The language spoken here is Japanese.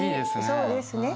そうですね。